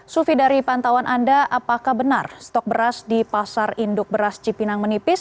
sufi dari pantauan anda apakah benar stok beras di pasar induk beras cipinang menipis